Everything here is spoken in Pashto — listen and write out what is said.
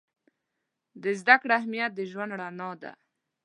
د زده کړې اهمیت د ژوند رڼا ده.